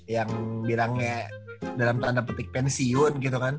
yang bilangnya dalam tanda petik pensiun gitu kan